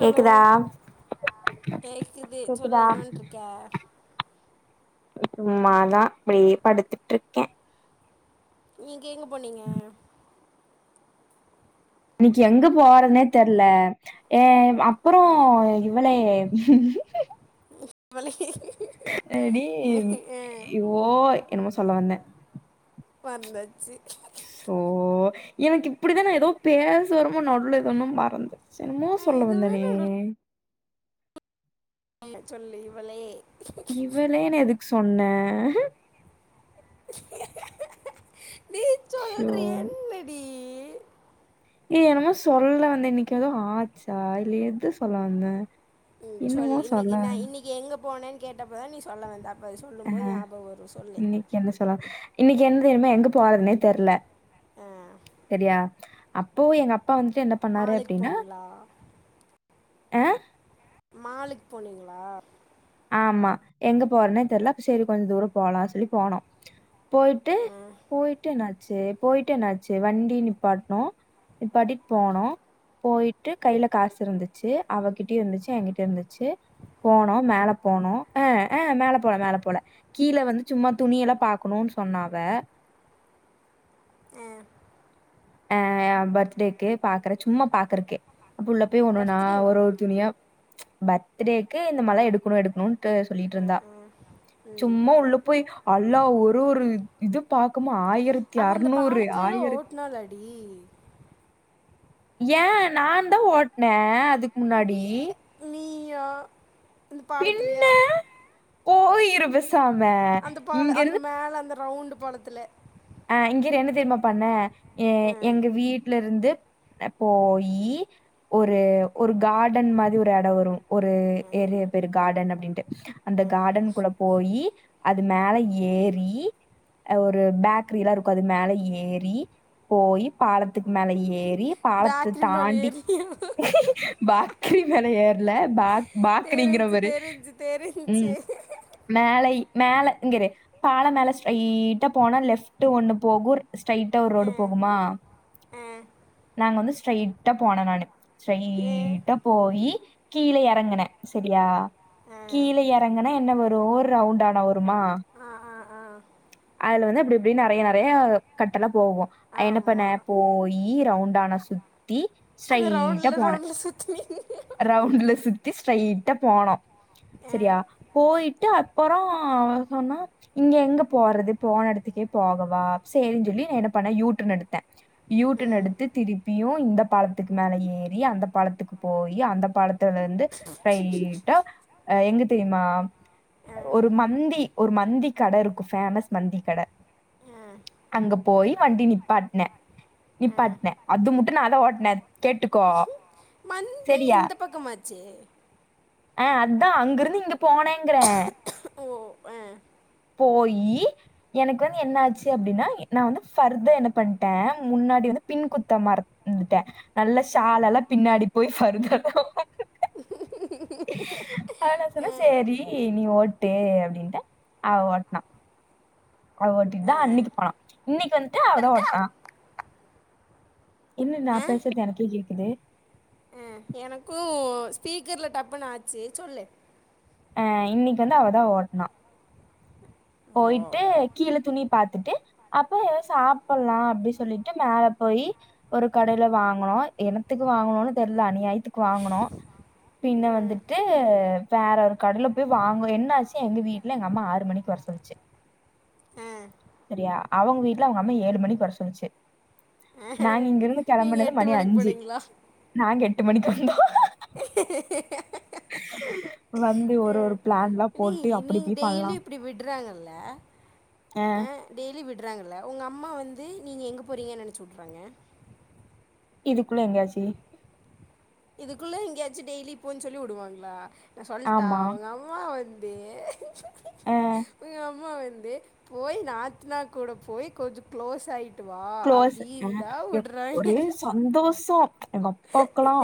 கேக்குதா கேக்குது கேக்குதா சொல்லு என்ன பண்றுக்க சும்மாதா அப்டியே படுத்துட்ருக்கே நீங்க எங்க போனிங்க இன்னிக்கு எங்க போறத்னே தெர்ல ஏ அப்றோ இவளே இவளே அடி யோ என்னமோ சொல்ல வந்தே வந்தாச்சி சோ எனக்கு இப்டித்தா நா எதோ பேசவரமோ நடுல எதொன்னு மறந்து சே என்னமோ நான் சொல்ல எதுவுமே வந்தனே சொல்லு சொல்லு இவளே இவளேனு எதுக் சொன்ன நீ ஷோ சொல்றி என்னடி ஏ எனமோ சொல்ல வந்த இன்னைக்கு எதோ ஆச்சா இல்ல எது சொல்ல வந்த ம் சொல் இன்னைக்கு நா இன்னைக்கு எங்க போனன்னு கேட்டப்பதா நீ சொல்ல வந்த அப் அ இன்னைக்கு என்ன சொல்ல இன்னைக்கு என்ன தெரிமா எங்க போறதுன்னே தெர்ல ஆ, சரியா அப்போ எங்க அப் அப்பா வந்துட்டு என்ன பண்ணாரு மாலுக்கு அப்டின்னா போனீங்களா ஆ மாலுக்கு போனீங்களா ஆமா எங்க போறனே தெரில அப்ப சரி கொஞ்ச தூர போலா சொல்லி போனோ போயிட்டு ஆ போயிட்டு என்னாச்சு போயிட்டு என்னாச்சு வண்டி நிப்பாட்னோ நிப்பாட்டிட் போனோ போயிட்டு கையில காசு இருந்துச்சு அவகிட்டயு இருந்துச்சு எங்கிட்டயு இருந்துச்சு போனோ மேலப் போனோ ஆ ஆ மேல போல மேல போல கீழ வந்து சும்மா துணியெல்லா பாக்கணுனு சொன்னா அவ அ ஆ பர்த்டேக்கு பாக்குற சும்மா பாக்குறக்கே உள்ள போய் ஒண்ணொன்னா பர்த்டேவா ஒரு ஒரு துணியா ச் பர்த்டேக்கு இந்த மாலா எடுக்கணு எடுக்கணும்ட்டு சொல்லிட்டு ஆ இருந்தா ஆ ம் சும்மா உள்ள போய் அல்லா ஒரு ஒரு இது பாக்கும் மா ஆயிரத்தி அறுநூறு ஆயிரத்தி டி ஏ நா தா ஓட்ன அதுக்கு முன்னாடி யா இந்த பின்ன பாலத்துலயா போயிரு பெசாம அந்த பால அந்த இங்கருந்து மேல அந்த ரவுண்டு பலத்துல அ இங்க இரு என்ன தெரியுமா பண்ண எ ஆ எங்க வீட்ல இருந்து போயி ஒரு ஒரு கார்டன் மாரி ஒரு எடம் வரும் ஒரு ஏரியா பேரு கார்டன் அப்டின்ட்டு அந்த கார்டன் குள்ள போயி அது மேல ஏறி ஒரு பேக் கரிலா இருக்கு அது மேல ஏறி போயி பாலத் துக் மேல ஏறி பாலத்த பேக்கரி மேல தாண்டி ஏறி பாக்கரி மேல ஏறல பாக் பாக்கரிங்கிற தெரிஞ்சு பாரு தெரிஞ்சு தெரிஞ்சு ம் மேல மேல ங்கரு பால மேல ஸ்ட்ரைட்டா போனா லெஃப்ட் ஒண்ணு போகு ஸ்ட்ரைட்டா ஒரு ஆ ரோடு போகுமா ஆ நாங்க வந்து ஸ்ட்ரைட்டா போனே நானு ஆ ஸ்ட்ரயிட்டா போயி கீழ எறங்கனே சரியா ஆ கீழ எறங்கனா என்ன வரு ஒரு ரவுண்டானா வரு ஆ ஆ ஆ அதுல வந்து அப்படி இப்படி நெறைய நெறைய கட்டல்லா போகு என்ன பண்ண ஆமா போய் ரவுண்டானா சுத்தி அந்த ஸ்ட்ரைட்டா ரவுண்ட்ல போனே ரவுண்ட்ல சுத்தி ரவுண்ட்ல சுத் தி ஸ்ட்ரைட்டா போனோ ஆ சரியா போயிட்டு அப்பற அவ சொன்னா இங்க எங்க போறது போன எடத்துக்கே போகவா சேரினு சொல்லி நா என்ன பண்ண யூடன் எடுத்த யூட்டர்ன் ம் எடுத்து திருப்பியு இந்த பாலத்துக்கு மேலே ஏறி அந்த பாலத்துக்கு போயி அந்த பாலத் ல இர்ந்து ரைட்டா எங்குத் தெரியுமா ஆ ஒரு மந்தி ஒரு மந்தி கட இருக்கு ஃபேமஸ் மந்தி கட ஆ அங்க போய் வண்டி நிப்பாட்னே ஆ நிப்பாட்னே அது முட்டு நா தா ஓட்டனே கேட்டுக்கோ மந்தி சரியா இந்த பக்கமா ஆச்சே அ அதா அங்கிருந்து இங்க போனேங்குறே ஓ ஆ போயி எனக்கு வந்த் என்னாச்சு அப்டீன்னா நா வந்து ஃபர்தா என்ன பண்ட்டே முன்னாடி வந்து பின் குத்த மறந்துட்டே நல்லா ஷாலெலா பின்னாடி போயி ஃபர்தர் ஹ அவனா சொன்னா செரி நீ ஓட்டே அப்டீன்னு அவ ஓட்னா அவ ஓட்டிட்டுதா அன்னிக்கு போனா இன்னிக்கு வந்துட்டு அவதா ஓட்னா என்ன நா பேசறது எனக்கே கேக்குது அ எனக்கோ ஸ்பீக்கர்ல டப்புன்னு ஆச்சு சொல்லு அ இன்னிக்கு வந்து அவதா ஓட்னா ஓ போய்ட்டு கீழ துணிப் பாத்துட்டு அப்ப எதா சாப்புட்லா அப்டி சொல்லிட்டு மேல போயி ஒரு கடைல வாங்கனோ என்னத்துக்கு வாங்கனோனு தெர்ல அநியாயத்துக்கு வாங்கனோ பின்ன வந்துட்டு வேற ஒரு கடல போய் வாங்கோ என்னாச்சு எங்க வீட்ல எங்க அம்மா ஆறு மணிக்கு வர சொல்ச்சு ஆ செரியா அவுங்க வீட்ல அவுங்க அம்மா ஏழு மணிக்கு வர சொல்ச்சு நாங்க இங்கிருந்து நீங்கள் கெளம்பினது எட்டு மணி மணிக்கு அஞ்சு போனீங்களா நாங்க எட்டு மணிக்கு வந்தோ வந்து ஒரு ஒரு பிளான்லா போட்டு அப்டி போய் பண்லா ட ஆ அ டெய்லி விடு வுட்றாங்கள உங்க அம்மா வந்து நீங்க எங்கே போறீங்க என்னான்னு சொல்றாங்க இதுக்குள்ள எங்கயாச்சி இதுக்குள்ள எங்கேயாச்சி டெய்லி போன்னு சொல்லி விடுவாங்களா நா சொல்ட்டா ஆமா உங்க அம்மா வந் தே ஆ உங்க அம்மாவ வந்தே போய் நாத்னா கூட போய் கொஞ்சோ க்ளோஸாயிட் க்ளோஸு ஆ ஒரே சந்தோஷோ எங்க அப்பாக்குலா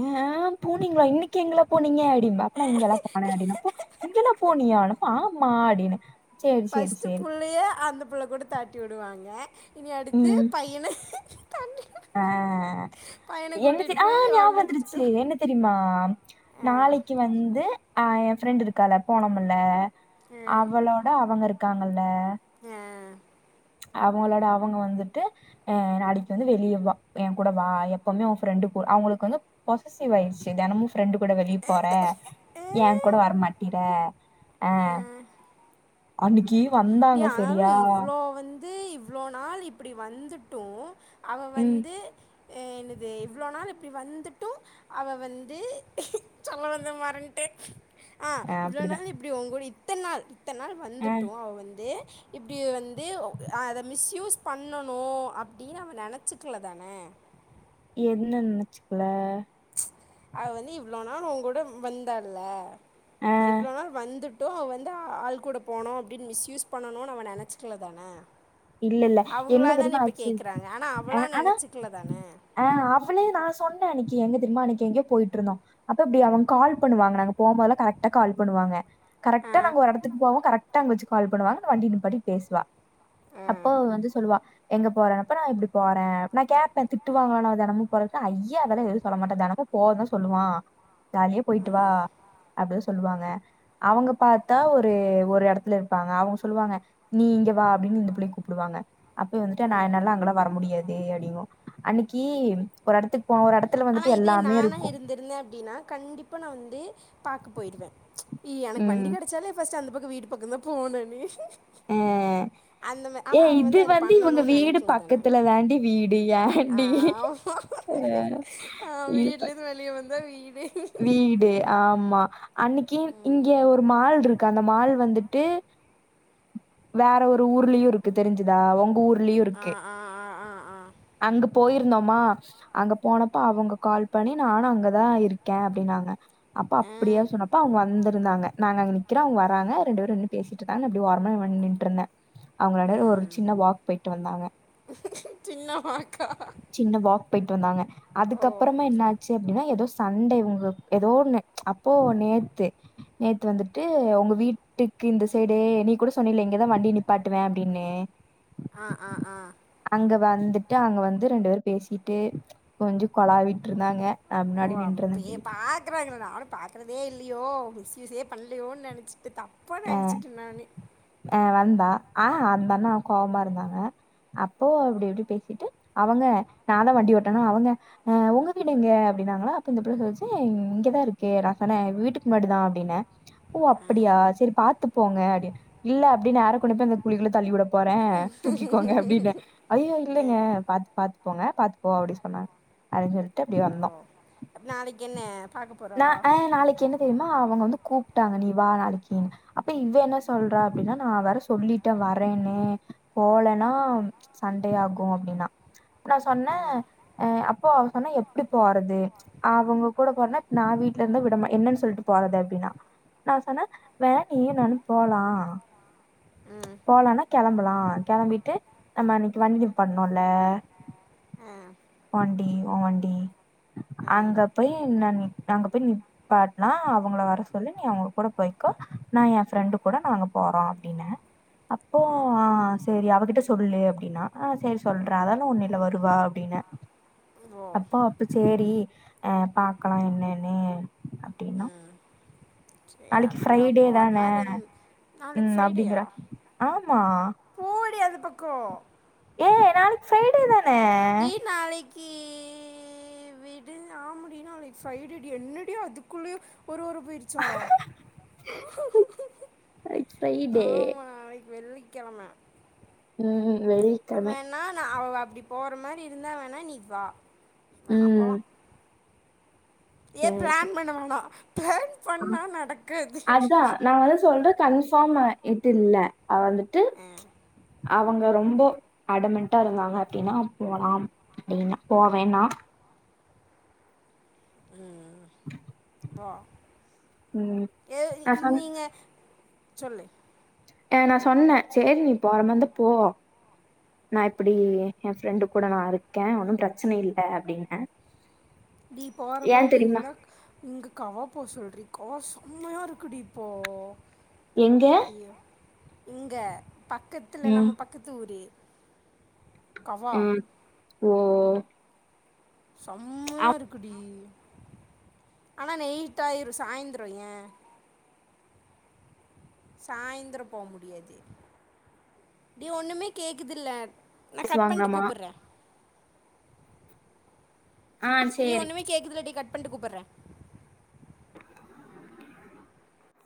ஏ போனீங்களா இன்னிக்கு எங்கலா போனீங்க அப்டீன்பாரு அப்ப நா இங்கெல்லா விளையாடினோப்போ இங்களா போனியா ஆனப்ப ஆமா அப்டீன்னே ஃபஸ்ட்டு புள்ளையே அந்த புள்ள கூட தாட்டி விடுவாங்க இனி அடுத்து பையன அ என்ன தெ கூட்டிட்டு ஆ போய் ஞாபகோ ரவுண்ட் வந்துருச்சு அடிச்சுட்டு வா என்ன தெரியுமா ஆ நாளைக்கி வந்து ஆ என் ஃப்ரெண்ட்டு இருக்கால போனமுல ஆ அவளோட அவுங்க இருக்காங்கல்ல அவுங்களோட அவுங்க வந்துட்டு எ நாளிக்கு வந்து வெளியே வா ஏ கூட வா எப்பவுமே உன் ஃப்ரெண்டு கூட அவுங்குளுக்கு வந்து பொசசிவ் ஆயிடுச்சு தெனமு ஃப்ரெண்டு கூட வெளியே போற ஆ என் கூட வரமாட்டிற ஆ அன்னிக்கு வந்தாங்க செரியா இவ்ளோ நாள் இப்டி வந்துட்டோ அவ ம் வந்து எ என்னது இவ்ளோ நாள் இப்டி வந் வந்துட்டு அவ வந்து சொல்ல வந்தத மறந்துட்ட அ ஆஹ் இவ்ளோ அப்படிதான் நாள் இப்டி உங்கோட இத்தன் நாள் இத்தன் நாள் ஆஹ் வந்துட்டோ அவ வந் இப்டி வந்து அத மிஸ் யூஸ் பண்ணணோ அப்டீனு அவ நெனச்சக்குல தானே என்ன நெனச்சுக்குல இவ்ளோ நாள் உங் கூட வந்தேல ஆஹ் இவ்ளோ நாள் வந்துட் ட்டோ அவ வந்து ஆள் கூட போனோ அப்டீன்னு மிஸ்யூஸ் பண்ணனோனு அவ நெனச்சுக்குல தானே இல்ல இல்ல அவங்களா என்ன தெரியுமா தானே இப்போ ஆச்சு கேட்குறாங்க ஆனால் அ அவளாக ஆனா நினச்சிக்கல தானே அ அவ்ளே நா சொன்னே அன்னைக்கு எங்க தெரிமா அன்னைக்கு எங்கயோ போயிட்டுருந்தோ அப்ப அப்படி அவங்க கால் பண்ணுவாங்க நாங்க போகுபோதல்லா கரெக்டா கால் பண்ணுவாங்க ஆ கரெக்டா நாங்க ஒரு எடத்துக்கு போவோ கரெக்டா அங்க வச்சு கால் பண்ணுவாங்க வண்டி நிப்பாடி பேசுவா ஆ அப்போ வந்து சொல்லுவா எங்க போற அப்ப நா இப்டி போற நா கேப்ப திட்டுவாங்களானா தெனமு போற அய்ய அதெல்லா எதுவு சொல்ல மாட்ட தெனமு போதா சொல்லுவா ஜாலியா போயிட்டு வா அப்டி சொல்லுவாங்க அவங்க பாத்தா ஒரு ஒரு எடத்துல இருப்பாங்க அவங்க சொல்லுவாங்க நீ இங்க வா அப்படின்னு இந்த புள்ளைய கூப்பிடுவாங்க அப்ப வந்துட்டு நா என்னால அங்கலா வர முடியாது அப்டிங்கு அன்னைக்கி ஒரு எடத்து ஆனா இதே நானா இருந்திருந்த அப்டின்னா கண்டிப்பா நா வந்து பாக்க போயிடுவே எனக்கு வண்டி ம். கெடைச்சாலே ஃபர்ஸ்ட் அந்த பக்கம் வீட்டு பக்கம் தா போனனே அ ஏ இது அது வந்து இவங்க பண்ணணும்னு வீடு நினைக்கல தானே பக்கத்துல தாண்டி வீடு ஏண்டி ம் அ வீட்லருந்து வெளியே வந்தா வீ வீடு ஆமா அன்னைக் கு இங்க ஒரு மால் இருக்கு அந்த மால் வந்துட்டு வேற ஒரு ஊர்லயு இருக்கு தெரிஞ்சுதா உங்க ஊர்லயு ஆ இருக்கு ஆ ஆ ஆ அங்க போயிருந்தோமா அங்க போனப்ப அவங்க கால் பண்ணி நானு அங்கதா இருக்க அப்படின் னாங்க அப்ப ஆ ஆ அப்டியா சொன்னப்ப அவங்க வந்த இருந்தாங்க நாங்க அங்க நிக்கிறோ அவங்க வராங்க ரெண்டு பேரு நின்னு பேசிட்டு இருந்தாங்க அப்படி ஒரமா நின்ட்டு இருந்த அவங்க எடைல ஒரு சின்ன வாக் போயிட்டு வந்தாங்க சின்னமாக்கா சின்ன வாக் போயிட்டு வந்தாங்க ஓ அதுக்கப்பறமா என்ன ஆச்சு அப்படின்னா எதோ சண்டே உங்க எதோன்னு அப்போ நேத்து நேத்து வந்துட்டு உங்க வீட்டு இந்த சைடு நீ கூட சொன்னயில இங்கதா வண்டி நிப்பாட்டுவே அப்டின்னு ஆ ஆ ஆ அங்க வந்து ட்டு அங்க வந்து ரெண்டு பேரு பேசிட்டு கொஞ்சி கொலாவிட்டு இருந்தாங்க நா ஓ முன்னாடி நின்றுருந்தே அப்பி அப்டி பாக்குறாங்கள நானு பாக்கறதே இல்லையோ மிஸ்யூஸே பண்லையோனு நெனைச்சிட்டு தா அ அ வந்தா அ அந்தண்ணா கோவமா இருந்தாங்க அப்போ அப்டி இப்டி பேசிட்டு அவங்க நான்தா வண்டி ஓட்றனா அவங்க அ உங்க வீடு எங்க அப் டினாங்ளா அப்ப இந்த புள்ள சொல்லிச்சு இங்கதா இருக்கு நா சொன்ன எங்க வீட்டுக்கு முன்னாடி தா அப்டின்ன ஓ அப்டியா சேரி பாத்து போங்க அப்டின் இல்ல அப்டினு நேரா கொண்டு போய் அந்த குழிகுள்ள தள்ளிவிட போறே தூக்கிகோங்க அப்டின்ன அய்யோ இல்லைங்க பாத்து பாத்து போங்க பாத்துப்போ அப்டி சொன்னாங்க அப்டின் சொல்ட்டு அப்படி ஐயோ வந்தோ அப்ப நாளைக்கு என்ன பார்க்க ந போகிறாளா அ நாளைக்கு என்ன தெரியுமா அவங்க வந்து கூப்ட்டாங்க நீ வா நாளைக்குன்னு அப்ப இவ என்ன சொல்றா அப் டினா நான் வேர சொல்லிட்ட வரேன்னு போலன்னா ச ண்டையாகு அப்டினா நா சொன்ன ஆ அ ப்போ அவ சொன்னா எப்டி போறது அவங்க கூட போறனா நா வீட்ல இருந்த விடமா என்னன்னு சொல்ட்டு போறது அப்டின்னா நா சொன்ன வேனா நீய நானு போலா ம் போலானா கெளம்பலா கெளம்பிட்டு நம்ம அன்னைக்கு வண்டி பண்ணோல [inaudible] ஆ வண்டி ஓ வண்டி ஆ அங்க போய் நா நா அங்க போய் நிப்பாட்னா அவங்கள வர சொல்லு நீ அவங்க கூட போய் க்கோ நா எ ஃப்ரெண்டு கூட நாங்க போறோ அப்டினே அப்போ ஆ அ சேரி அவகிட்ட சொல்லுலயே அப்டின்னா அ சேரி சொல்றே அதுலா ஒன்னில வருவா அப்டின்னே ஓ அப்போ அப்ப சேரி அ பாக்கலா என்னன்னு அப்டின்னா சேரி நாளைக்கு அப்டியா ஃப்ரைடே போற தான மாரி நாளைக்கு ம் ஃப்ரைடேயா அப்டிங்கிறா ஆமா போடி அந்த பக்க ஏ நாளைக்கு ஃப்ரைடே தான் டி நாளைக்கு கி விடு ஆம டி என்ன நாளைக்கு ஃரைடே டி என்னடி அதுகுள்ளேயு ஒரு வாரோ போயிருச்சா நாளைக்கு ஃப்ரைடே ஆமா இது வெள்ளிக்கெழமே ம் அப்ப வெள்ளிக்கெழமை என்னா நா அவெவப் அப்பிடி போற மாரி இருந்தா வேணா நீ வா வேணா ம் போலா ஏ பிளான் பண்ண வேனா அதா நா வந்து சொல்ற கன்ஃபார்ம்மு இது இல்ல அ வந்துட்டு ஆ, ம்ச் அவங் ரொம்ப அடமன்ட்டா இருந்தாங்க அப்பிடின்னா போலாம் ப்பிடின்னா போவேன்னா ம் வா ம் ஏ இ நா இ சொன் நீங்க சொல்லு எ நா சொன்னே சேரி நீ போறமாரிந்தா போ நா இப்பிடி எ ஃப்ரெண்டு கூட நா இருக்கே ஒன்னு பிரச்சன இல்ல அப்பிடின்னே நீப் போற மாரி இருந்தா இங்க காபோ சொல்றி காஸ் உம்மையா இருக்குடி இப்போ எங்க இங்க பக்கத்துல நம்ம ம் பக்கத்து ஊரு கவா ம் ஓ செம்மையா அவன் இருக்குடி ஆனா நேயிட்டு ஆயிரு சாய்ந்திரோ ஏ சாய்ந்தரோ போ முடியாது டி ஒண்ணுமே கேக்குதில்ல நா கட் பண்ணுட்டு பேசுவாங்களாமா கூப்புட்றே ஆ டி சேரி ஒண்ணுமே கேக்குதுல்ல டி கட் பண்ணுட்டு கூப்புட்றே